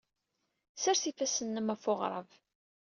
Ssers ifassen-nnem ɣef uɣrab.